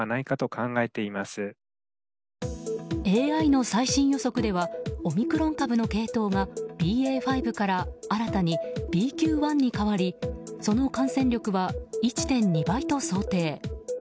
ＡＩの最新予測ではオミクロン株の系統がＢＡ．５から、新たにＢＱ．１に変わりその感染力は１．２倍と想定。